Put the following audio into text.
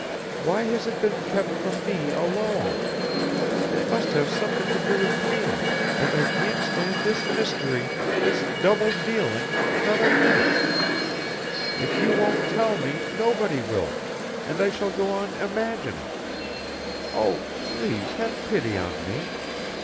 Why has it been kept from me alone? It must have something to do with me, and I can't stand this mystery, this double dealing, another minute. If you won't tell me, nobody will, and I shall go on imagining Oh, please have pity on me!